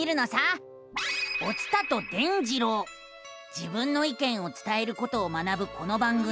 自分の意見を伝えることを学ぶこの番組。